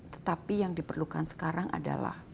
tetapi yang diperlukan sekarang adalah